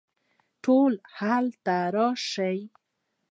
ټول دلته راشئ